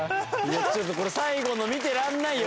ちょっとこれ最後の見てられないよ